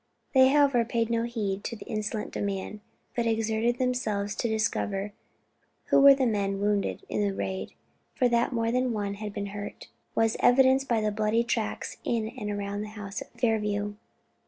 They however paid no heed to the insolent demand, but exerted themselves to discover who were the men wounded in the raid; for that more than one had been hurt, was evidenced by the bloody tracks in and around the house at Fairview.